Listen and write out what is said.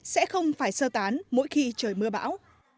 sẽ không phải sơ tán mỗi khi trời mưa bão